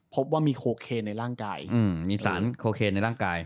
พบว่ามีโคเคนในร่างกายมีสารโคเคนในร่างกาย